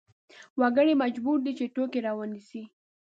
وګړي مجبور دي چې توکې راونیسي.